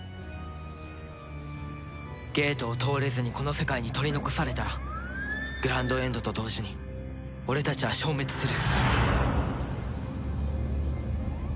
ゲートを通れずにこの世界に取り残されたらグランドエンドと同時に俺たちは消滅する。